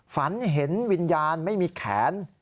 ฝันเห็นวิญญาณไม่มีแขน